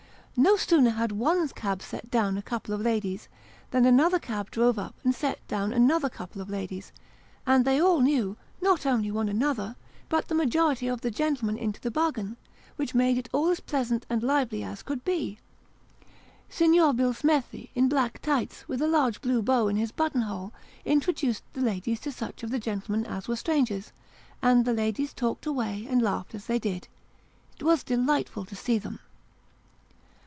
No sooner had one cab set down a couple of ladies, than another cab drove up and set down another couple of ladies, and they all knew : not only one another, but the majority of the gentlemen into the bargain, which made it all as pleasant and lively as could be. Signor Billsmethi, in black tights, with a large blue bow in his button hole, introduced the ladies to such of the gentlemen as were strangers: and the ladies talked away and laughed they did it was delightful to see them.